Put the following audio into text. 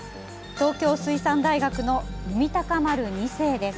東京水産大学の「海鷹丸２世」です。